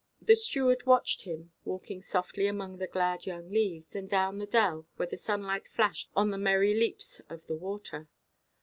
The steward watched him walking softly among the glad young leaves, and down the dell where the sunlight flashed on the merry leaps of the water.